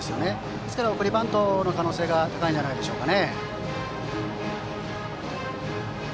ですから、送りバントの可能性が高いんじゃないでしょうか。